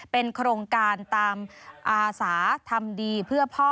เป็นโครงการตามอาสาทำดีเพื่อพ่อ